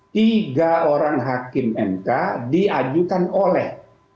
tiga orang hakim mk diajukan oleh